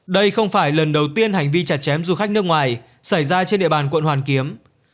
đây không phải lần đầu tiên hành vi chặt chém du khách nước ngoài xảy ra trên địa bàn quận hoàn kiếm